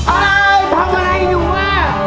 เอ้าทำอะไรอยู่ว่ะ